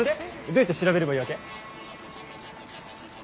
どうやって調べればいいわけ？